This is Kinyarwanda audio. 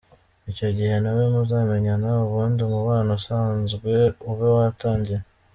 Icyo gihe nawe muzamenyana ubundi umubano usanzwe ube watangiye.